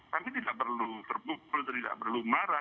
tapi tidak perlu terbukul tidak perlu marah